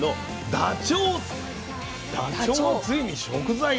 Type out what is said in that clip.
ダチョウをついに食材でね。